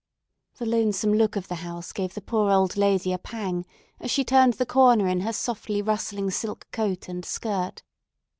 The lonesome look of the house gave the poor old lady a pang as she turned the corner in her softly rustling silk coat and skirt.